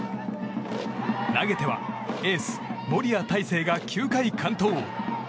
投げてはエース、森谷大誠が９回完投。